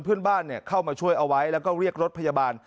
เพื่อนบ้านเข้ามาช่วยเอาไว้แล้วก็เรียกรถพยาบาล